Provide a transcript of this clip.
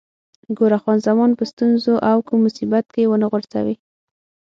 ګوره، خان زمان په ستونزو او کوم مصیبت کې ونه غورځوې.